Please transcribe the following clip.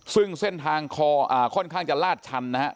ซึ่งเส้นทางคอค่อนข้างจะลาดชันนะครับ